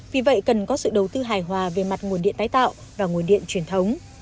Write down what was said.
vì vậy cần có sự đầu tư hài hòa về mặt nguồn điện tái tạo và nguồn điện truyền thống